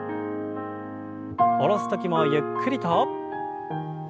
下ろす時もゆっくりと。